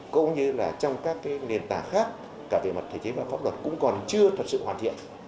cũng như là trong các nền tảng khác cả về mặt thể chế và pháp luật cũng còn chưa thật sự hoàn thiện